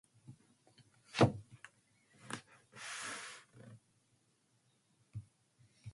Stationed at New London, Connecticut, she was part of the Rum Patrol.